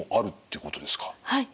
はい。